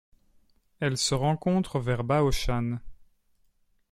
Elle se rencontre vers Baoshan.